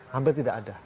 hampir tidak ada